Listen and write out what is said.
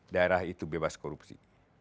daerah itu bebas korupsi